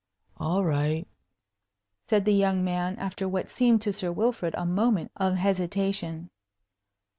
"All right," said the young man, after what seemed to Sir Wilfrid a moment of hesitation.